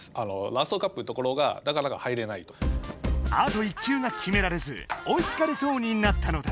あと１球がきめきれずおいつかれそうになったのだ。